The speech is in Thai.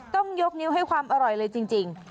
ต้องยกนิ้วให้ความอร่อยเลยจริง